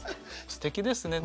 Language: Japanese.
すてきですね。